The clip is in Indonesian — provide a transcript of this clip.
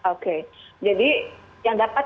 oke jadi yang dapat